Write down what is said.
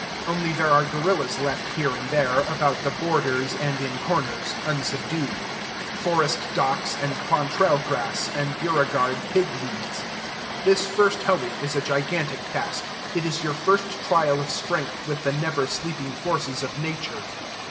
Only there are guerrillas left here and there, about the borders and in corners, unsubdued, Forrest docks, and Quantrell grass, and Beauregard pig weeds. This first hoeing is a gigantic task: it is your first trial of strength with the never sleeping forces of Nature.